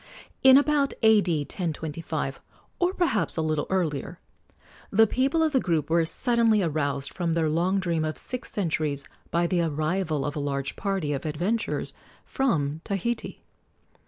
In about A.D. 1025, or perhaps a little earlier, the people of the group were suddenly aroused from their long dream of six centuries by the arrival of a large party of adventurers from Tahiti.